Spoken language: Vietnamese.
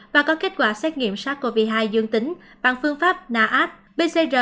và có kết quả xét nghiệm sars cov hai dương tính bằng phương pháp naab pcr